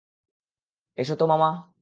এসো তো, মামা।